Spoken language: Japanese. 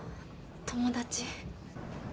友達。